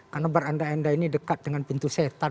karena berandai andai ini dekat dengan pindah